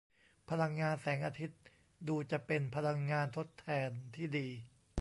พลังงานแสงอาทิตย์ดูจะเป็นพลังงานทดแทนที่ดี